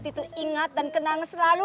neng kety tuh ingat dan kenang selalu